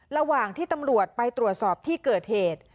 ระหว่างที่ตำรวจไปตรวจสอบที่เกิดเหตุ